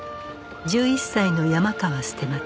１１歳の山川捨松